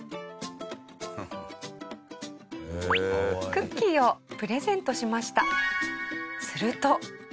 クッキーをプレゼントしました。